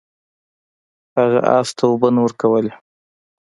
هغه اس ته اوبه نه ورکولې.